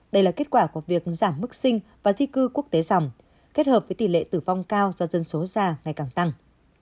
đây là kết quả của việc giảm mức sinh và di cư quốc tế dòng kết hợp với tỷ lệ tử vong cao do dân số già ngày càng tăng